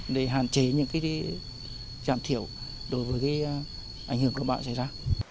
để hàn chế những cái giảm thiểu đối với cái ảnh hưởng các bạn xảy ra